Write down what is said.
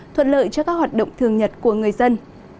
thuận lợi cho các hoạt động thường nhật của người dân